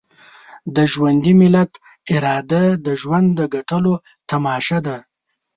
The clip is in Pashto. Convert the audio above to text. د ژوندي ملت اراده د ژوند د ګټلو تماشه ده.